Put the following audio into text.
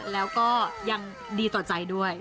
แล้วก็ยังดีต่อใจด้วย